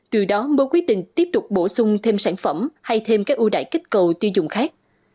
từ đó mua quyết định tiếp tục bổ sung thêm sản phẩm hay thêm các ưu đại kích cầu tiêu dùng khác